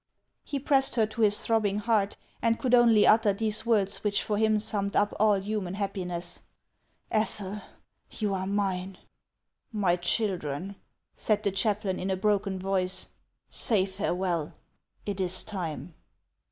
He pressed her to his throbbing heart, and could only utter these words, which for him summed up all human happiness :" Ethel, you are mine !"" My children," said the chaplain, in a broken voice, "say farewell; it is time."